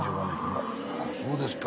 あそうですか。